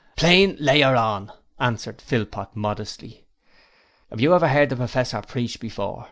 'Plain Layer On,' answered Philpot modestly. ''Ave you ever 'eard the Professor preach before?'